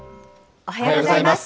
おはようございます。